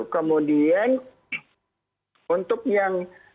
kemudian untuk yang